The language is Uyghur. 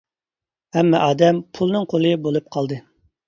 ھەممە ئادەم پۇلنىڭ قۇلى بولۇپ قالدى.